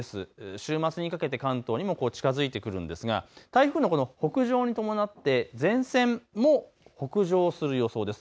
週末にかけて関東にも近づいてくるんですが台風の北上に伴って前線も北上する予想です。